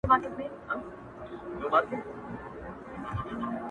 • چي په لاسونو كي رڼا وړي څوك.